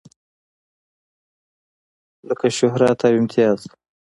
لکه شهرت او امتياز.